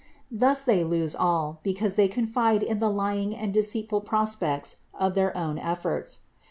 Thus they lose all, because they confide in the lying and deceitful prospects of their own efforts.